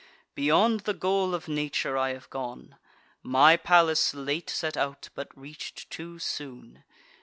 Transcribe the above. Beyond the goal of nature I have gone: My Pallas late set out, but reach'd too soon.